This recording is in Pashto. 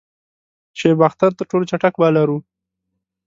شعیب اختر تر ټولو چټک بالر وو.